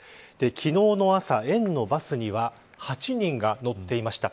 昨日の朝、園のバスには８人が乗っていました。